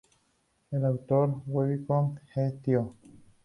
El autor del webcómic ¡Eh, tío!